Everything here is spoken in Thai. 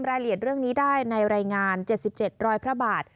รายละเอียดเรื่องนี้ได้ในรายงานเจ็ดสิบเจ็ดร้อยพระบาท